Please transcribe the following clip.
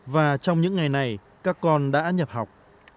và trong những ngày này các con đã nhập học